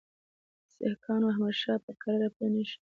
سیکهانو احمدشاه پر کراره پرې نه ښود.